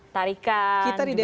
tarikan juga ada obrolan